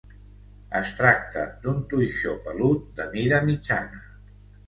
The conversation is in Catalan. Es tracta d'un toixó pelut de mida mitjana.